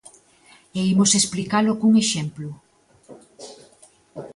E imos explicalo cun exemplo.